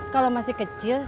kalau masih kecil